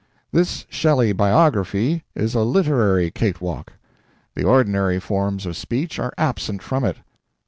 This Shelley biography is a literary cake walk. The ordinary forms of speech are absent from it.